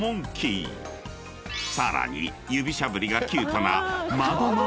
［さらに指しゃぶりがキュートな］